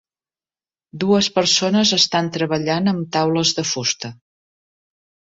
Dues persones estan treballant amb taules de fusta.